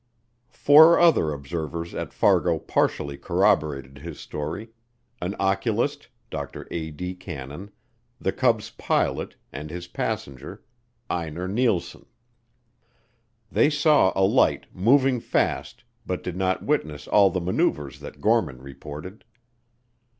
Four other observers at Fargo partially corroborated his story, an oculist, Dr. A. D. Cannon, the Cub's pilot, and his passenger, Einar Neilson. They saw a light "moving fast," but did not witness all the maneuvers that Gorman reported.